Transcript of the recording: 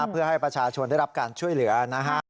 เพื่อให้ประชาชนได้รับการช่วยเหลือนะฮะ